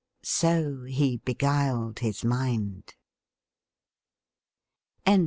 So he beguiled his mind.